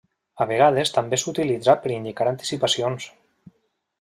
A vegades també s'utilitza per indicar anticipacions.